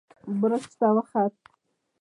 برج ته وخوت.